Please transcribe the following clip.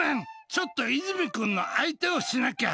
ちょっと和泉くんの相手をしなきゃ。